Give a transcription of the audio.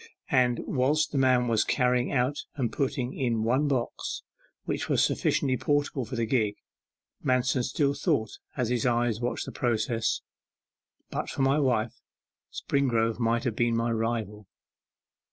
And whilst the man was carrying out and putting in one box, which was sufficiently portable for the gig, Manston still thought, as his eyes watched the process 'But for my wife, Springrove might have been my rival.